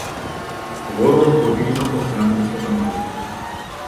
Ворон повільно оглянув отаманів.